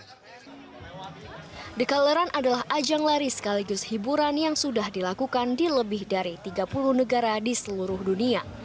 the color run adalah ajang lari sekaligus hiburan yang sudah dilakukan di lebih dari tiga puluh negara di seluruh dunia